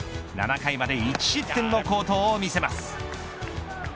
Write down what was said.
７回まで１失点の好投を見せます。